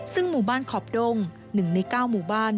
ซึ่งหมู่บ้านขอบดงหนึ่งในเก้าหมู่บ้าน